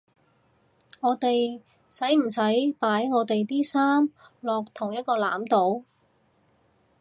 我哋使唔使擺我地啲衫落同一個籃度？